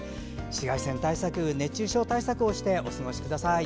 紫外線対策、熱中症対策をしてお過ごしください。